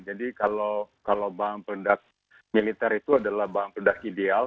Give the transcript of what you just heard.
kalau bank peledak militer itu adalah bahan peledak ideal